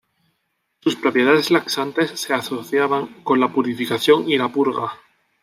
Sus propiedades laxantes se asociaban con la purificación y la purga.